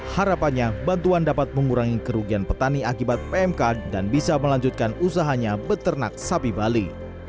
harapannya bantuan dapat mengurangi kerugian petani akibat pmk dan bisa melanjutkan usahanya beternak sapi bali